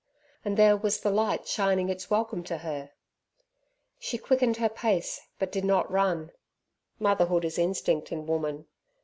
And there was the light shining its welcome to her. She quickened her pace, but did not run motherhood is instinct in woman.